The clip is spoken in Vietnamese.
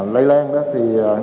lây lan đó thì